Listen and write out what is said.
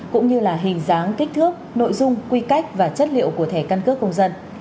cũng như là hình dáng kích thước nội dung quy cách và chất liệu của thẻ căn cước công dân